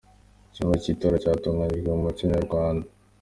Icyumba cy’itora cyatunganijwe mu muco nyarwanda